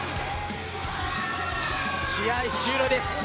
試合終了です。